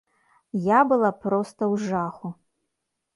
Я была проста ў жаху!